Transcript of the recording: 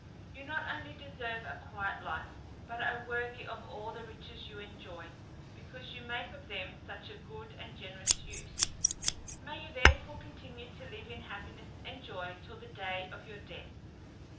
You not only deserve a quiet life, but are worthy of all the riches you enjoy, because you make of them such a good and generous use. May you therefore continue to live in happiness and joy till the day of your death!"